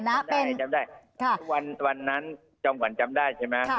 จำได้จำได้ค่ะวันวันนั้นจำขวัญจำได้ใช่ไหมค่ะ